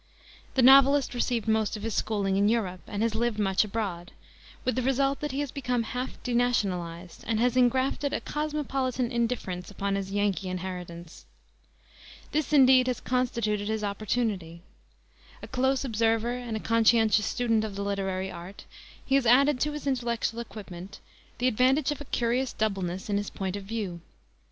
The novelist received most of his schooling in Europe, and has lived much abroad, with the result that he has become half denationalized and has engrafted a cosmopolitan indifference upon his Yankee inheritance. This, indeed, has constituted his opportunity. A close observer and a conscientious student of the literary art, he has added to his intellectual equipment the advantage of a curious doubleness in his point of view.